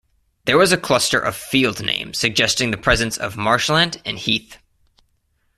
There was a cluster of field names suggesting the presence of marshland and heath.